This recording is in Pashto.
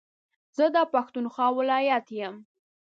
زه دا پښتونخوا ولايت يم